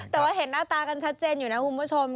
แต่ว่าเห็นหน้าตากันชัดเจนอยู่นะคุณผู้ชม